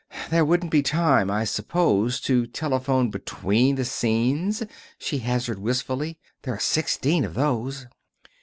"There wouldn't be time, I suppose, to telephone between the scenes," she hazarded wistfully. "There are sixteen of those!"